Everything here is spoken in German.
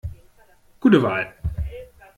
Gute Wahl!